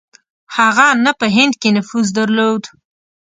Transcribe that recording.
هغه نه په هند کې نفوذ درلود.